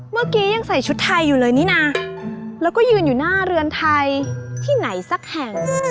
เมื่อกี้ยังใส่ชุดไทยอยู่เลยนี่นะแล้วก็ยืนอยู่หน้าเรือนไทยที่ไหนสักแห่ง